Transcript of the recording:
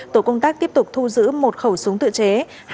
tổ công tác tiếp tục thu giữ một khẩu súng tự chế